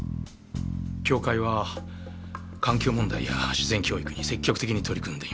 協会は環境問題や自然教育に積極的に取り組んでいます。